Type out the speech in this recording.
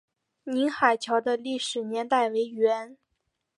宁海桥的历史年代为元。